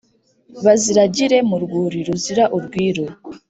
Baziragire mu rwuri ruzira urwiri